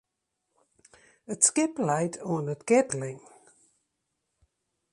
It skip leit oan 't keatling.